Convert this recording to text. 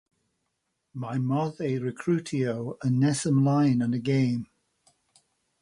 Mae modd ei recriwtio yn nes ymlaen yn y gêm.